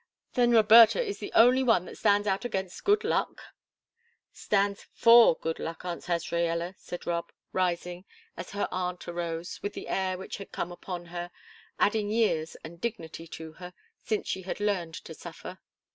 "Then Roberta is the only one that stands out against good luck?" "Stands for good luck, Aunt Azraella," said Rob, rising, as her aunt arose, with the air which had come upon her, adding years and dignity to her, since she had learned to suffer.